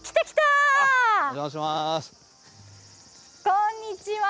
こんにちは。